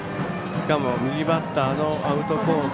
しかも右バッターのアウトコース